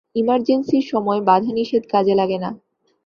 ইমার্জেন্সির সময় বাধা-নিষেধ কাজে লাগে না।